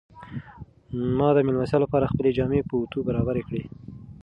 ما د مېلمستیا لپاره خپلې جامې په اوتو برابرې کړې.